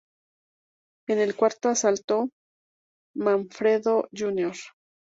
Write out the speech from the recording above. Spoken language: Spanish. En el cuarto asalto, Manfredo, Jr.